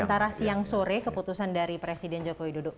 antara siang sore keputusan dari presiden joko widodo